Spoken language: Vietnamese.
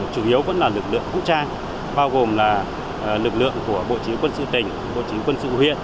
chủ yếu vẫn là lực lượng vũ trang bao gồm là lực lượng của bộ chỉ huy quân sự tỉnh bộ chính quân sự huyện